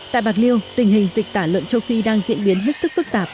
tại bạc liêu tình hình dịch tả lợn châu phi đang diễn biến hết sức phức tạp